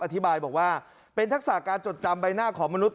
อธิบายบอกว่าเป็นทักษะการจดจำใบหน้าของมนุษย